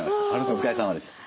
お疲れさまでした。